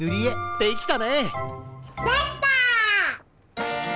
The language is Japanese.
できた！